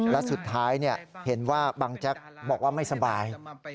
และสุดท้ายเห็นว่าบังแจ๊กบอกว่าไม่สบาย